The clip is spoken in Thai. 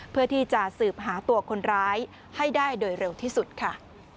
เพื่อที่จะสืบหาตัวคนร้ายให้ได้โดยเร็วที่สุดค่ะ